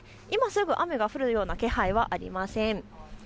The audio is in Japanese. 今すぐ雨が降るような気配はありません。